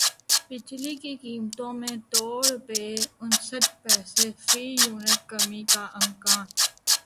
بجلی کی قیمتوں میں دو روپے انسٹھ پیسے فی یونٹ کمی کا امکان